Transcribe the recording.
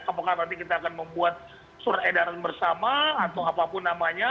apakah nanti kita akan membuat surat edaran bersama atau apapun namanya